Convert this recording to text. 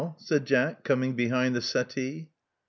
said Jack, coming behind the settee.